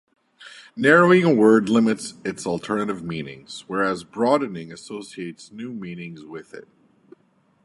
Narrowing a word limits its alternative meanings, whereas broadening associates new meanings with it.